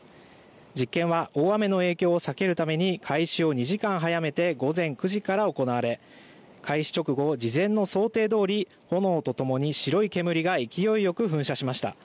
実験は大雨の影響を避けるために開始を２時間早めて午前９時から行われ開始直後、事前の想定どおり炎と共に白い煙が勢いよく噴射しました。